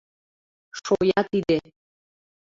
Шоя тиде!